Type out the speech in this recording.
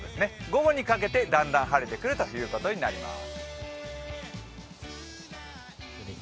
午後にかけてだんだん晴れてくることになります。